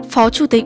phó chủ tịch